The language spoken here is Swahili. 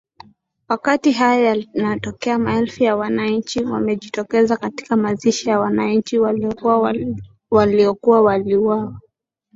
wakati haya yanatokea maelfu ya wananchi wamejitokeza katika mazishi ya wananchi waliokuwa waliuwawa